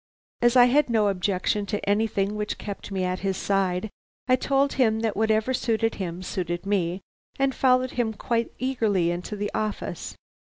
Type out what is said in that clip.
"As I had no objection to anything which kept me at his side, I told him that whatever suited him suited me, and followed him quite eagerly into the office.